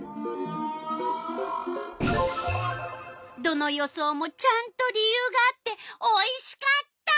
どの予想もちゃんと理由があっておいしかった！